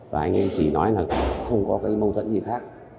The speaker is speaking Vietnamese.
và anh ấy chỉ nói là không có cái mâu thuẫn gì khác